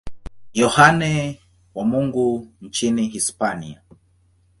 Yohane wa Mungu nchini Hispania.